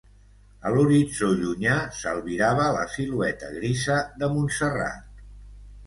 A l'horitzó llunyà s'albirava la silueta grisa de Montserrat.